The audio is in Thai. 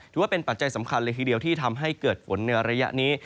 ถือว่าเป็นปัจจัยสำคัญทีเดียวที่ทำให้เกิดฝนในระยะนี้